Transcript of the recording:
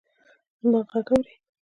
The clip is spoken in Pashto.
زما ږغ اورې!